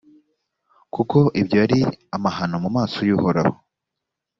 kuko ibyo ari amahano mu maso y’uhoraho.